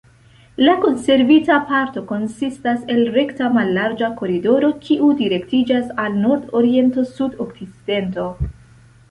La konservita parto konsistas el rekta mallarĝa koridoro, kiu direktiĝas al nordoriento-sudokcidento.